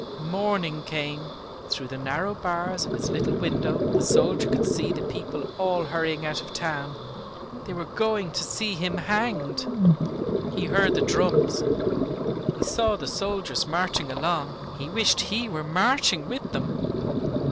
Morning came! Through the narrow bars of his little window the soldier could see the people all hurrying out of town. They were going to see him hanged. He heard the drums, he saw the soldiers marching along. He wished he were marching with them.